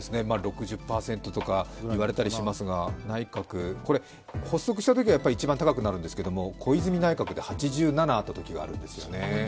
６０％とか言われたりしますが発足したときは一番高くなるんですけれども、小泉内閣で８７あったときがあるんですよね。